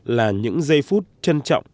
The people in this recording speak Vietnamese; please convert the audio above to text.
là những giây phút trân trọng